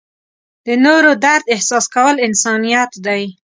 د نورو درد احساس کول انسانیت دی.